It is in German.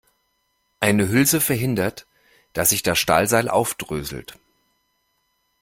Eine Hülse verhindert, dass sich das Stahlseil aufdröselt.